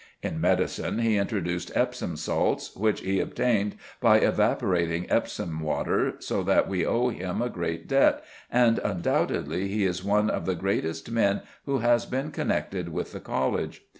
In medicine he introduced Epsom salts, which he obtained by evaporating Epsom water, so that we owe him a great debt, and undoubtedly he is one of the greatest men who has been connected with the College.